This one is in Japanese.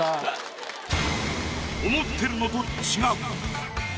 思ってるのと違う。